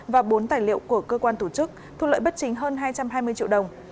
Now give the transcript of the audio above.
và bốn tài liệu của cơ quan tổ chức thu lợi bất chính hơn hai trăm hai mươi triệu đồng